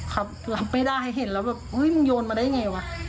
ครับรับไม่ได้เห็นแล้วแบบเฮ้ยมึงโยนมาได้ไงวะ